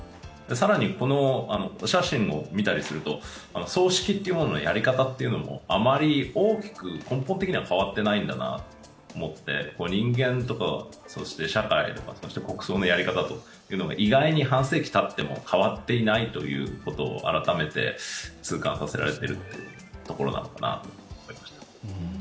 更に、お写真を見たりすると、葬式というもののやり方も、あまり大きく、根本的には変わってないんだなと思って人間とか、そして社会とか国葬のやり方、意外に半世紀たっても変わっていないということを改めて痛感させられているところなのかなと思いました。